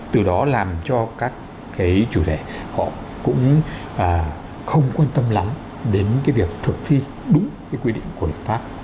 từ đó làm cho các cái chủ thể họ cũng không quan tâm lắm đến việc thực thi đúng cái quy định của luật pháp